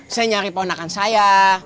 saya nyari pelenakan saya